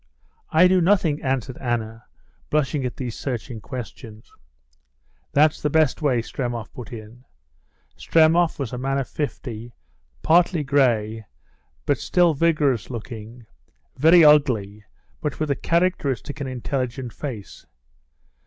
"I do nothing," answered Anna, blushing at these searching questions. "That's the best way," Stremov put in. Stremov was a man of fifty, partly gray, but still vigorous looking, very ugly, but with a characteristic and intelligent face.